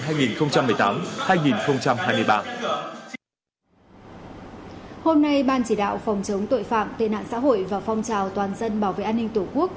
hôm nay ban chỉ đạo phòng chống tội phạm tên nạn xã hội và phong trào toàn dân bảo vệ an ninh tổ quốc